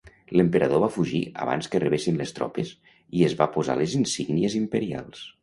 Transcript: L'emperador va fugir abans que arribessin les tropes i es va posar les insígnies imperials.